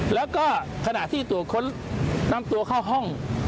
แล้วก็ขณะที่ตรวจค้นนำตัวเข้าห้อง